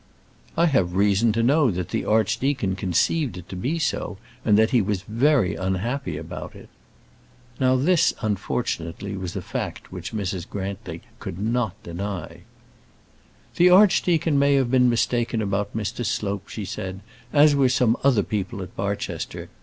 "I have reason to know that the archdeacon conceived it to be so, and that he was very unhappy about it." Now this, unfortunately, was a fact which Mrs. Grantly could not deny. "The archdeacon may have been mistaken about Mr. Slope," she said, "as were some other people at Barchester.